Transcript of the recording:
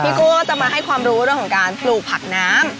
พี่กู้จะมาให้ความรู้ด้วยของการปลูกผักน้ำ